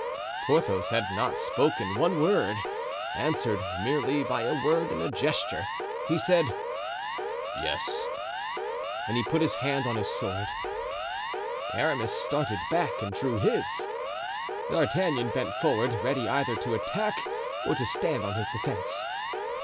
Porthos, who had not spoken one word, answered merely by a word and a gesture. He said "yes" and he put his hand on his sword. Aramis started back and drew his. D'Artagnan bent forward, ready either to attack or to stand on his defense.